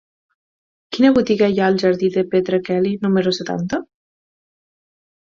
Quina botiga hi ha al jardí de Petra Kelly número setanta?